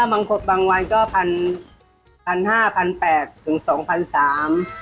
บางคนบางวันก็พันพันห้าพันแปดถึงสองพันสาม